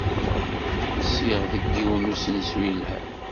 Nsiɣ deg yiwen n usensu yelhan.